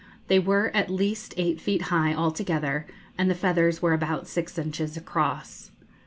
They were at least eight feet high altogether, and the feathers were about six inches across.